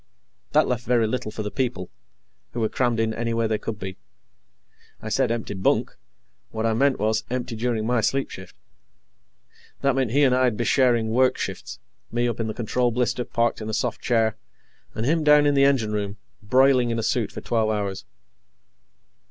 That left very little for the people, who were crammed in any way they could be. I said empty bunk. What I meant was, empty during my sleep shift. That meant he and I'd be sharing work shifts me up in the control blister, parked in a soft chair, and him down in the engine room, broiling in a suit for twelve hours.